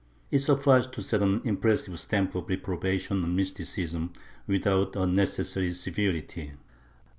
It sufficed to set an impressive stamp of reprobation on mysticism without unnecessary severity.